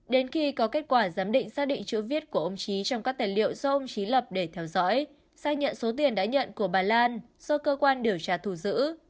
đến khi có kết quả giám định xác định chữ viết của ông trí trong các tài liệu do ông trí lập để theo dõi xác nhận số tiền đã nhận của bà lan do cơ quan điều tra thù giữ